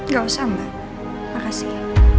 gak usah mbak makasih